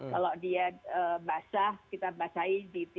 kalau dia basah kita basahi di pipi